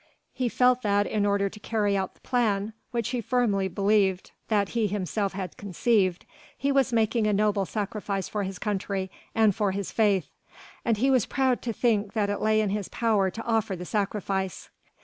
He felt that in order to carry out the plan which he firmly believed that he himself had conceived, he was making a noble sacrifice for his country and for his faith, and he was proud to think that it lay in his power to offer the sacrifice.